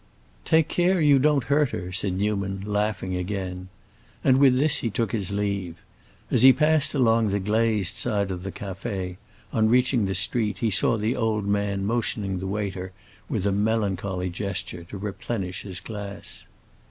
"Take care you don't hurt her!" said Newman, laughing again. And with this he took his leave. As he passed along the glazed side of the café, on reaching the street, he saw the old man motioning the waiter, with a melancholy gesture, to replenish his glass.